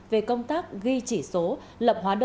về công tác ghi chỉ số